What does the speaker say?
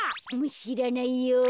しらないよ。